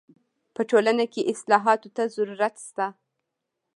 په ټولنه کي اصلاحاتو ته ضرورت سته.